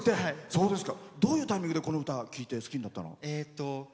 どういうタイミングでこの歌を聴いて好きになったの？